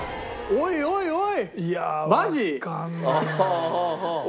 おいおいおい！